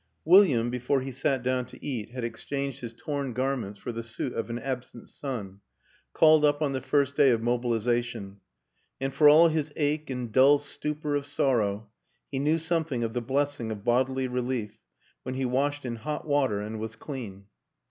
William, before he sat down to eat, had ex changed his torn garments for the suit of an ab sent son, called up on the first day of mobiliza tion; and for all his ache and dull stupor of sor row, he knew something of the blessing of bodily relief when he washed in hot water and was clean.